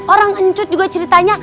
orang encut juga ceritanya